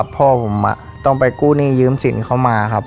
พ่อผมต้องไปกู้หนี้ยืมสินเข้ามาครับ